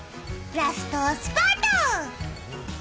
ラストスパート！